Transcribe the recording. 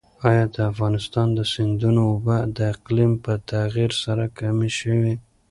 ایا د افغانستان د سیندونو اوبه د اقلیم په تغیر سره کمې شوي؟